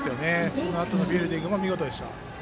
そのあとのフィールディングも見事でした。